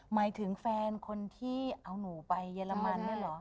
หมายถึงแฟนคนที่เอาหนูไปเยอรมันเนี่ยเหรอ